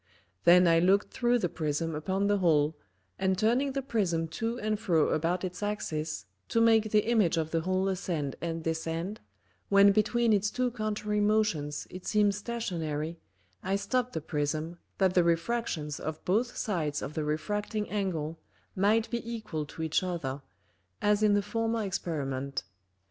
Then I looked through the Prism upon the hole, and turning the Prism to and fro about its Axis, to make the Image of the Hole ascend and descend, when between its two contrary Motions it seemed Stationary, I stopp'd the Prism, that the Refractions of both sides of the refracting Angle might be equal to each other, as in the former Experiment.